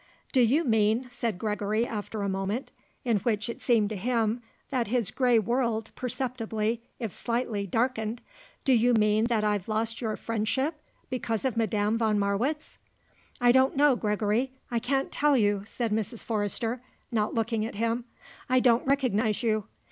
"Do you mean," said Gregory after a moment, in which it seemed to him that his grey world preceptibly, if slightly, darkened, "do you mean that I've lost your friendship because of Madame von Marwitz?" "I don't know, Gregory; I can't tell you," said Mrs. Forrester, not looking at him. "I don't recognize you.